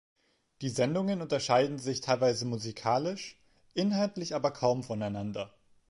Die Sendungen unterscheiden sich teilweise musikalisch, inhaltlich aber kaum voneinander.